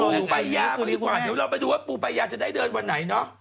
ปูปายาก็ดีกว่าเดี๋ยวเราไปดูว่าปูปายาจะได้เดินวันไหนเนาะ